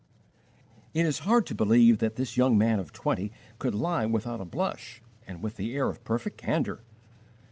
It is hard to believe that this young man of twenty could lie without a blush and with the air of perfect candor.